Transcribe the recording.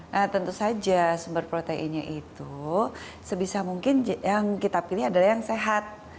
nah tentu saja sumber proteinnya itu sebisa mungkin yang kita pilih adalah yang sehat